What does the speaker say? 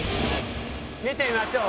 見てみましょう。